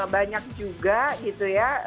banyak juga gitu ya